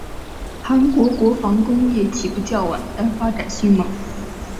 韩国国防工业起步较晚但发展迅猛。